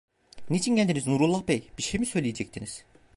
Niçin geldiniz Nurullah Bey, bir şey mi söyleyecektiniz?